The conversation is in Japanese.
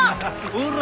ほら！